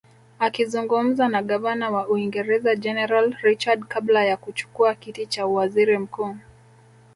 Akizungumza na Gavana wa Uingereza General Richard kabla ya kuchukua kiti cha uwaziri mkuu